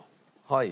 はい。